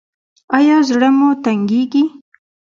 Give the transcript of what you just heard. ایا زړه مو تنګیږي؟